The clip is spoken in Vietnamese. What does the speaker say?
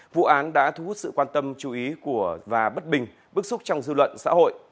vụ án đã thu hút sự quan tâm chú ý và bất bình bức xúc trong dư luận xã hội